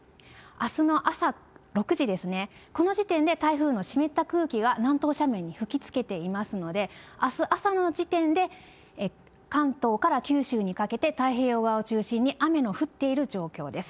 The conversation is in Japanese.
あすの朝６時ですね、この時点で台風の湿った空気が南東斜面に吹きつけていますので、あす朝の時点で関東から九州にかけて、太平洋側を中心に雨の降っている状況です。